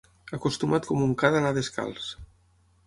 Acostumat com un ca d'anar descalç.